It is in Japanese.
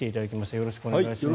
よろしくお願いします。